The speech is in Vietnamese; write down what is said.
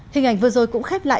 hình ảnh vừa rồi cũng khép lại